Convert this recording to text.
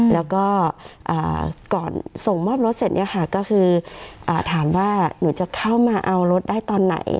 แล้วก็ก่อนส่งมอบรถเสร็จเนี่ยค่ะก็คือถามว่าหนูจะเข้ามาเอารถได้ตอนไหน